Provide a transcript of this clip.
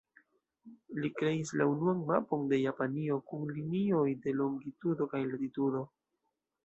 Li kreis la unuan mapon de Japanio kun linioj de longitudo kaj latitudo.